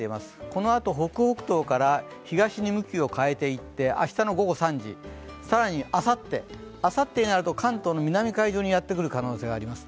このあと北北東から東に向きを変えていって明日の午後３時、更にあさってになると関東の南海上にやってくる可能性があります。